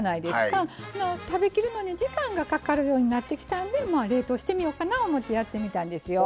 食べきるのに時間がかかるようになってきたんで冷凍してみようかな思うてやってみたんですよ。